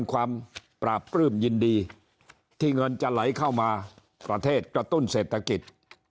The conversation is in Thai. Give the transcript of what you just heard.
ความปราบปลื้มยินดีที่เงินจะไหลเข้ามาประเทศกระตุ้นเศรษฐกิจ